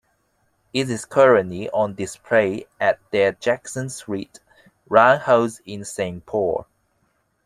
It is currently on display at their Jackson Street Roundhouse in Saint Paul.